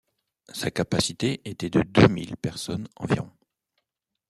Sa capacité était de deux mille personnes environ.